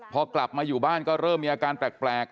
พอกลับมาอยู่บ้านก็เริ่มมีอาการแปลก